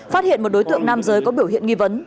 phát hiện một đối tượng nam giới có biểu hiện nghi vấn